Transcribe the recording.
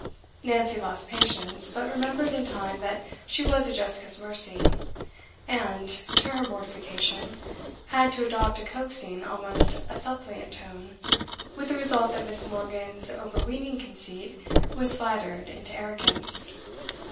Nancy lost patience, but remembered in time that she was at Jessica's mercy, and, to her mortification, had to adopt a coaxing, almost a suppliant, tone, with the result that Miss. Morgan's overweening conceit was flattered into arrogance.